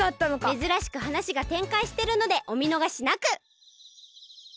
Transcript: めずらしくはなしがてんかいしてるのでおみのがしなく！